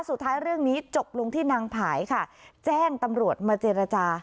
สุดท้ายเรื่องนี้จบลงที่นางผายค่ะแจ้งตำรวจมาเจรจา